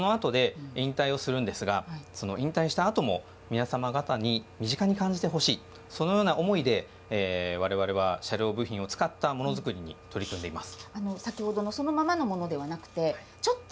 そのあとで引退をするんですが引退したあとも皆様方に身近に感じてほしいそのような思いで我々は車両部品を使ったもの作りに取り組んでいます。